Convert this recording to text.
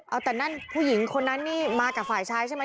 เอาแต่นั่นผู้หญิงคนนั้นนี่มากับฝ่ายชายใช่ไหม